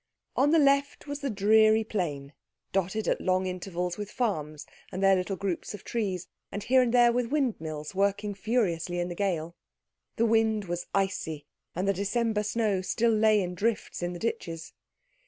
On the left was the dreary plain, dotted at long intervals with farms and their little groups of trees, and here and there with windmills working furiously in the gale. The wind was icy, and the December snow still lay in drifts in the ditches.